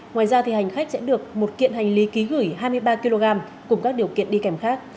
ngoài ra hành khách sẽ được một kiện hành lý ký gửi hai mươi ba kg cùng các điều kiện đi kèm khác